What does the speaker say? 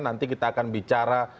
nanti kita akan bicara